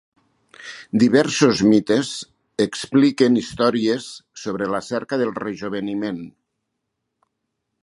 Diversos mites expliquen històries sobre la cerca del rejoveniment.